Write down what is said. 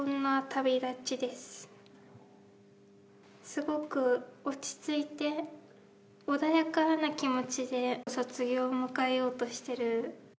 すごく落ち着いて穏やかな気持ちで卒業を迎えようとしている。